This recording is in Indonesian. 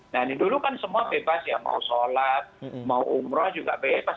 nah ini dulu kan semua bebas ya mau sholat mau umroh juga bebas